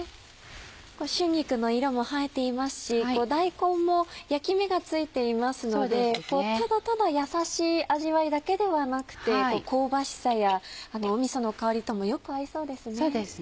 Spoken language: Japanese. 春菊の色も映えていますし大根も焼き目がついていますのでただただやさしい味わいだけではなくて香ばしさやみその香りともよく合いそうですね。